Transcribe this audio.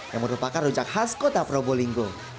yang merupakan rujak khas kota probolinggo